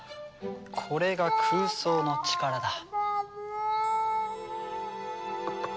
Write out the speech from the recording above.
これが空想の力だ。